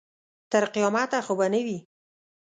تر قیامته خو به نه وي.